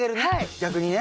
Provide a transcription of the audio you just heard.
逆にね。